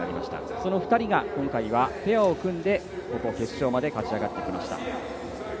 その２人が今回はペアを組んで決勝まで勝ちあがってきました。